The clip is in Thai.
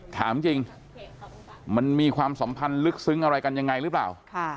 ถามจริงมันมีความสัมพันธ์ลึกซึ้งอะไรกันยังไงหรือเปล่า